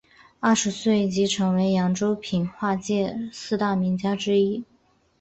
二十岁时即成为扬州评话界四大名家之一。